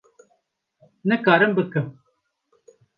Nikarim bikim.